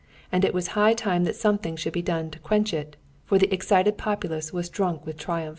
And it was high time that something should be done to quench it, for the excited populace was drunk with triumph.